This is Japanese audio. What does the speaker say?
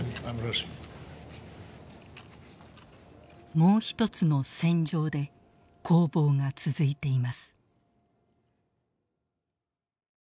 もうひとつの「戦場」で攻防が続いています。